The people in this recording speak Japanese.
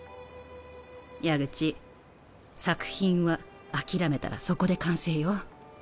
矢口作品は諦めたらそこで完成よ。